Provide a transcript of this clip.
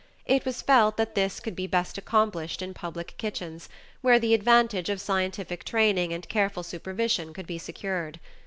It was felt that this could be best accomplished in public kitchens, where the advantage of scientific training and careful supervision could be secured.